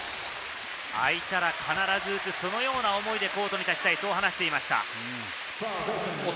空いたら必ず打つ、そのような思いでコートに立ちたいと話していました。